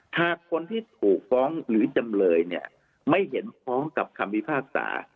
ถ้าคนที่ถูกฟ้องหรือจำเลยไม่เห็นฟ้องกับคัมวิภาคศา